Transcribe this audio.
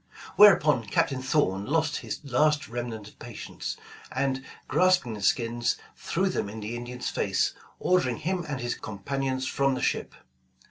Whereupon Captain Thorn lost his last remnant of patience, and grasping the skins, threw them in the Indian 's face, ordering him and his companions from the ship.